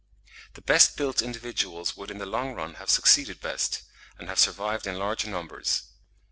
The best built individuals would in the long run have succeeded best, and have survived in larger numbers.